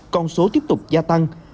còn số tiếp tục gia tăng